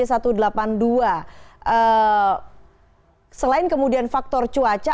selain kemudian faktor cuaca